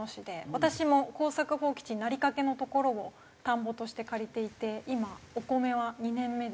私も耕作放棄地になりかけの所を田んぼとして借りていて今お米は２年目で。